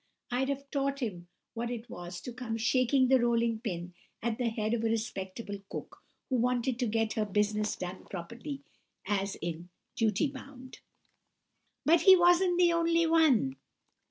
I'd have taught him what it was to come shaking the rolling pin at the head of a respectable cook, who wanted to get her business done properly, as in duty bound! "But he wasn't the only one.